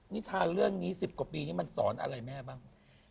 นิทานเรื่องนี้๑๐กว่าปีนี้มันสอนอะไรแม่บ้าง